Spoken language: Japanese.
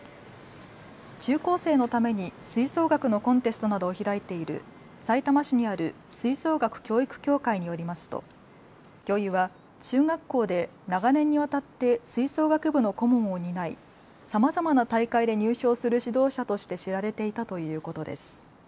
中高生のために吹奏楽のコンテストなどを開いているさいたま市にある吹奏楽教育協会によりますと教諭は中学校で長年にわたって吹奏楽部の顧問を担いさまざまな大会で入賞する指導者として知られていたということです。